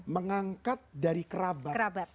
mengangkat dari kerabat